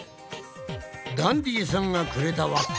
ダンディさんがくれた輪っか。